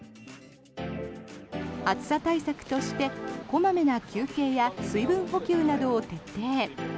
暑さ対策として小まめな休憩や水分補給などを徹底。